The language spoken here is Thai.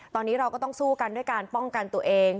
ตอนนี้เราก็ต้องสู้กันด้วยการป้องกันตัวเอง